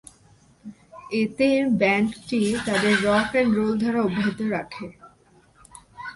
এতে ব্যান্ডটি তাদের রক অ্যান্ড রোল ধারা অব্যাহত রাখে।